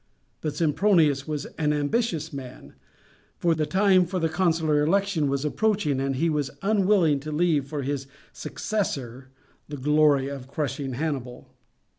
But Sempronius was an ambitious man, the time for the consular election was approaching, and he was unwilling to leave for his successor the glory of crushing Hannibal.